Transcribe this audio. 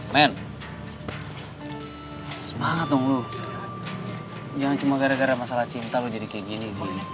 men semangat dong lu jangan cuma gara gara masalah cinta lu jadi kayak gini gini